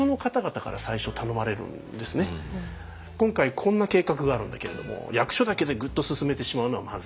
今回こんな計画があるんだけれども役所だけでグッと進めてしまうのはまずい。